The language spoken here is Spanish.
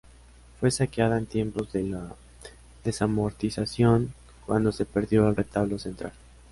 Fue saqueada en tiempos de la desamortización, cuando se perdió el retablo central.